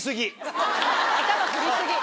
頭振り過ぎ。